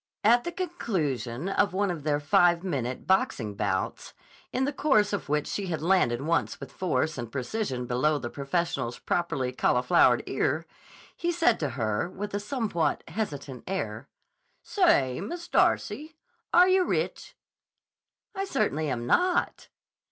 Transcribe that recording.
At the conclusion of one of their five minute boxing bouts, in the course of which she had landed once with force and precision below the professional's properly cauliflowered ear, he said to her, with a somewhat hesitant air: "Say, Miss Darcy; are yah rich?" "I certainly am not."